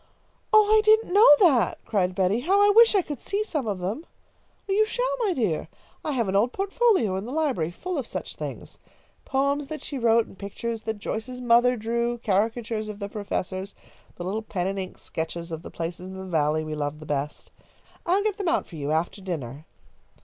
"Oh, I didn't know that!" cried Betty. "How I wish I could see some of them!" "You shall, my dear! I have an old portfolio in the library, full of such things. Poems that she wrote and pictures that Joyce's mother drew; caricatures of the professors, the little pen and ink sketches of the places in the Valley we loved the best. I'll get them out for you, after dinner.